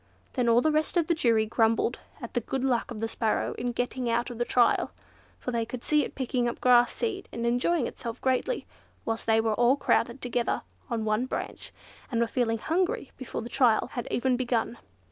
Then all the rest of the jury grumbled at the good luck of the Sparrow in getting out of the trial—for they could see it picking up grass seed and enjoying itself greatly, whilst they were all crowded together on one branch, and were feeling hungry before the trial had even begun.